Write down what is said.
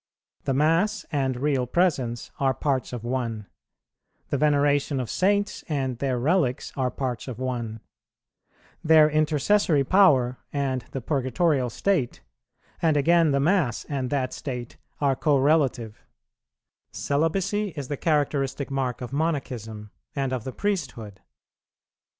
The Mass and Real Presence are parts of one; the veneration of Saints and their relics are parts of one; their intercessory power and the Purgatorial State, and again the Mass and that State are correlative; Celibacy is the characteristic mark of Monachism and of the Priesthood.